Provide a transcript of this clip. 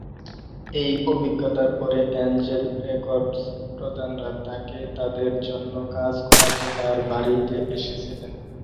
এই অভিজ্ঞতার পরে অ্যাঞ্জেল রেকর্ডস প্রধানরা তাকে তাদের জন্য কাজ করাতে তার বাড়িতে এসেছিল।